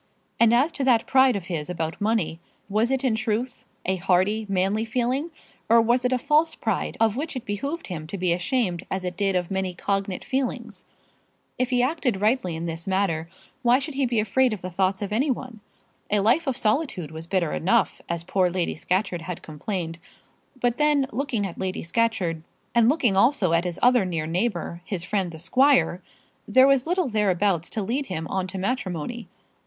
And as to that pride of his about money, was it in truth a hearty, manly feeling; or was it a false pride, of which it behoved him to be ashamed as it did of many cognate feelings? If he acted rightly in this matter, why should he be afraid of the thoughts of any one? A life of solitude was bitter enough, as poor Lady Scatcherd had complained. But then, looking at Lady Scatcherd, and looking also at his other near neighbour, his friend the squire, there was little thereabouts to lead him on to matrimony.